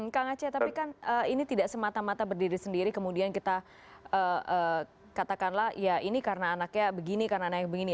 kang aceh tapi kan ini tidak semata mata berdiri sendiri kemudian kita katakanlah ya ini karena anaknya begini karena anaknya begini